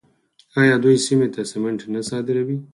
آیا دوی سیمې ته سمنټ نه صادروي؟